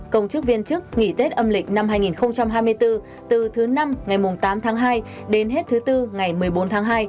công chức viên chức nghỉ tết âm lịch năm hai nghìn hai mươi bốn từ thứ năm ngày tám tháng hai đến hết thứ bốn ngày một mươi bốn tháng hai